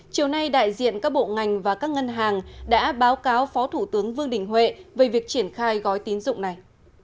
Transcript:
chiều nay đại diện các bộ ngành và các ngân hàng đã báo cáo phó thủ tướng vương đình huệ về việc triển khai gói tín dụng này